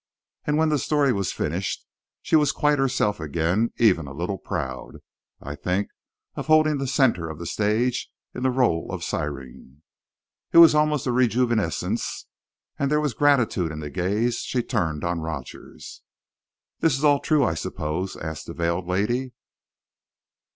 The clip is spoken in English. And when the story was finished, she was quite herself again; even a little proud, I think, of holding the centre of the stage in the rôle of siren. It was almost a rejuvenescence, and there was gratitude in the gaze she turned on Rogers. "This is all true, I suppose?" asked the veiled lady.